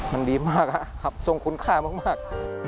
มันดีมากครับทรงคุณค่ามาก